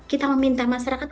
kita meminta masyarakat